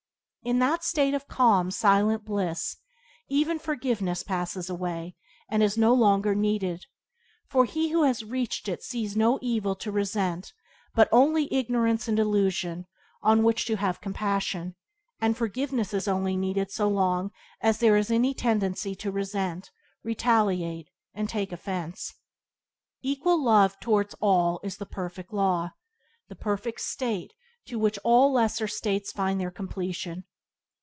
In that state of calm, silent bliss, even forgiveness passes away, and is no longer needed, for he who has reached it sees no evil to resent but only ignorance and delusion on which to have compassion, and forgiveness is only needed so long as there is any tendency to resent, retaliate, and take offence. Equal love towards all is the perfect law, the perfect state in which all lesser states find their completion.